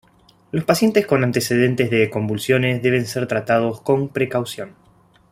Los pacientes con antecedentes de convulsiones deben ser tratados con precaución.